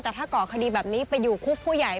แต่ถ้าก่อคดีแบบนี้ไปอยู่คุกผู้ใหญ่